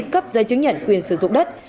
cấp giấy chứng nhận quyền sử dụng đất